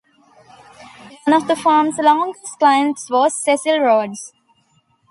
One of the firm's longest clients was Cecil Rhodes.